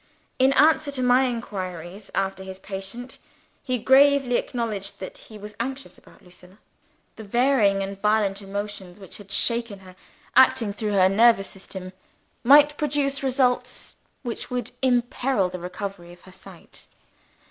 In answer to my inquiries after his patient, he gravely acknowledged that he was anxious about Lucilla. The varying and violent emotions which had shaken her (acting through her nervous system) might produce results which would imperil the recovery of her sight.